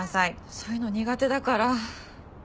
そういうの苦手だから。